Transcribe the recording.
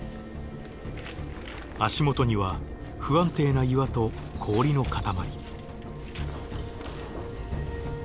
足元には不安定な岩と氷の塊。